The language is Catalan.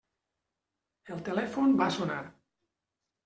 El telèfon va sonar.